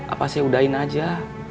apa saya udain aja